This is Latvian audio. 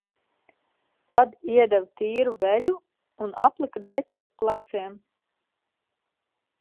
Tad iedeva tīru veļu un aplika deķi ap pleciem.